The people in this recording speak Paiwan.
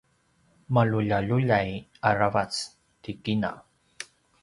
maluljaluljay aravac ti kina